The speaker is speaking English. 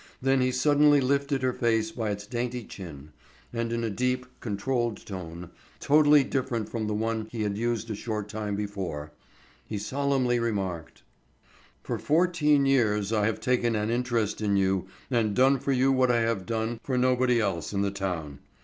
Then he suddenly lifted her face by its dainty chin, and in a deep, controlled tone, totally different from the one he had used a short time before, he solemnly remarked: "For fourteen years I have taken an interest in you and done for you what I have done for nobody else in the town.